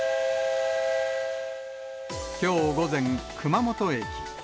きょう午前、熊本駅。